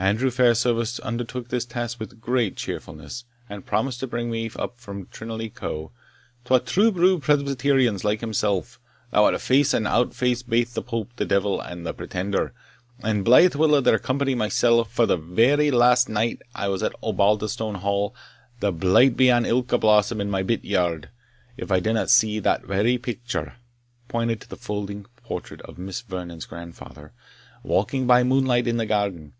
Andrew Fairservice undertook this task with great cheerfulness, and promised to bring me up from Trinlay Knowe, "twa true blue Presbyterians like himself, that would face and out face baith the Pope, the Devil, and the Pretender and blythe will I be o' their company mysell, for the very last night that I was at Osbaldistone Hall, the blight be on ilka blossom in my bit yard, if I didna see that very picture" (pointing to the full length portrait of Miss Vernon's grandfather) "walking by moonlight in the garden!